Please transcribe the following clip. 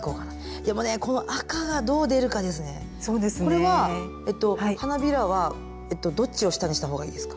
これは花びらはどっちを下にした方がいいですか？